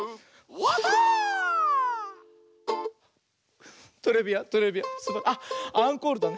あっアンコールだね。